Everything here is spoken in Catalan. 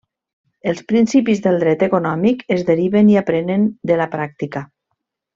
Els principis del Dret econòmic es deriven i aprenen de la pràctica.